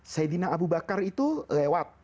sayyidina abu bakar itu lewat